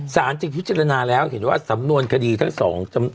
สารจึงพิจารณาแล้วเห็นว่าสำนวนคดีทั้งสอง